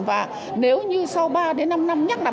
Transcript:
và nếu như sau ba đến năm năm nhắc lại